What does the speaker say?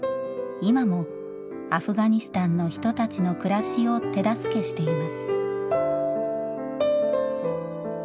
今もアフガニスタンの人たちの暮らしを手助けしています。